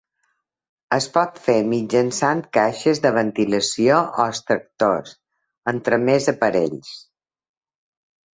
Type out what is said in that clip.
Es pot fer mitjançant caixes de ventilació o extractors, entre més aparells.